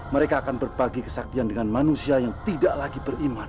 mereka akan berbagi kesaktian dengan manusia yang tidak lagi beriman